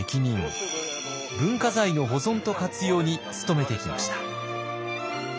文化財の保存と活用に努めてきました。